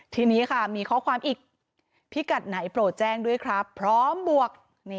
ทีนี้ค่ะมีข้อความอีกพิกัดไหนโปรดแจ้งด้วยครับพร้อมบวก